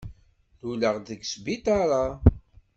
Luleɣ-d deg sbiṭaṛ-a.